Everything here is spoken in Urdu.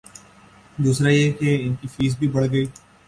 دوسرا یہ کہ ان کی فیس بھی بڑھ گئی۔